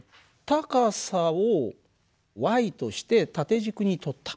高さをとして縦軸にとった。